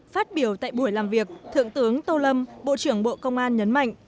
phát biểu tại buổi làm việc thượng tướng tô lâm bộ trưởng bộ công an nhấn mạnh